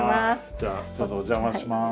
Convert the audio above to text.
じゃあちょっとお邪魔します。